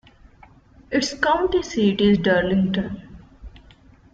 Its county seat is Darlington.